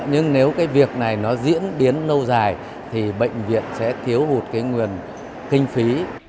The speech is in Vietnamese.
nhưng nếu cái việc này nó diễn biến lâu dài thì bệnh viện sẽ thiếu hụt cái nguồn kinh phí